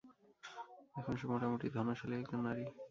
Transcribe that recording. এখন সে মোটামুটি ধনশালী একজন নারী।